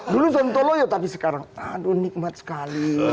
dulu sontoloyo tapi sekarang aduh nikmat sekali